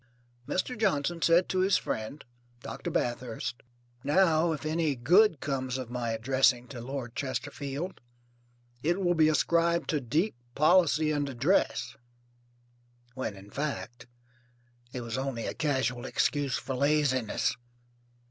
Mr. Johnson said to his friend, Doctor Bathurst: "Now if any good comes of my addressing to Lord Chesterfield it will be ascribed to deep policy and address, when, in fact, it was only a casual excuse for laziness."